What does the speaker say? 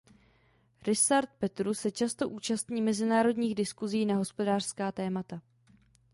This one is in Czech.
Ryszard Petru se často účastní mediálních diskusí na hospodářská témata.